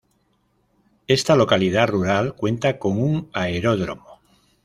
Esta localidad rural cuenta con un aeródromo.